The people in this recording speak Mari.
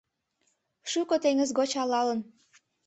Шуко теҥыз гоч алалын